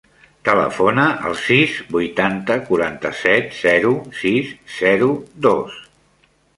Telefona al sis, vuitanta, quaranta-set, zero, sis, zero, dos.